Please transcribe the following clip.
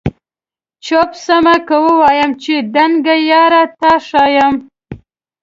چپ سمه که ووایم چي دنګه یاره تا ښایم؟